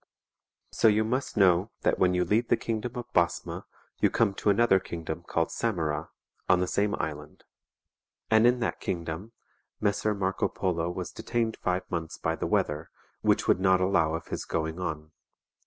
So you must know that when you leave the kingdom of Basma you come to another kingdom called Samara, on the same Island.^ And in that kingdom Messer Marco Polo was detained five months by the weather, which would not allow of his going on.